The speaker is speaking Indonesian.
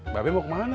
mbak be mau kemana